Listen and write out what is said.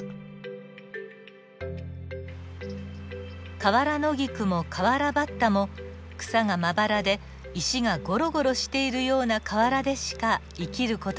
カワラノギクもカワラバッタも草がまばらで石がごろごろしているような河原でしか生きる事ができません。